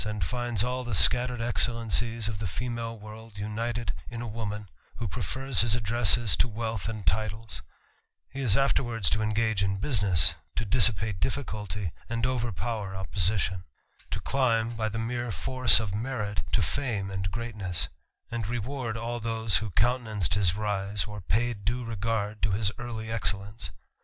<i finds all the scattered excellencies of the female worL<i united in a woman, who prefers his addresses to wealth and titles ; he is afterwards to engage in business^ to dissipate difficulty, and overpower opposition; to climb^ by the mere force of merit, to fame and greatness; and reward all those who countenanced his rise, or paid due regard to his early excellence.